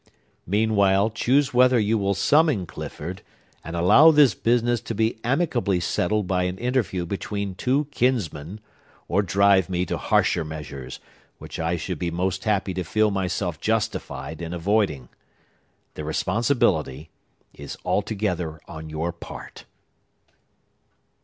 "Meanwhile, choose whether you will summon Clifford, and allow this business to be amicably settled by an interview between two kinsmen, or drive me to harsher measures, which I should be most happy to feel myself justified in avoiding. The responsibility is altogether on your part."